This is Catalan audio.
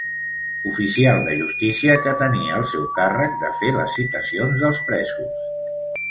Oficial de justícia que tenia al seu càrrec de fer les citacions dels presos.